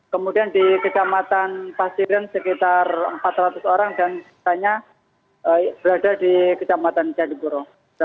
kemudian di kejamatan pasirian sekitar empat ratus orang dan setelahnya berada di kejamatan jandipuro